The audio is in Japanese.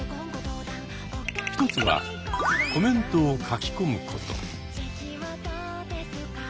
一つはコメントを書き込むこと。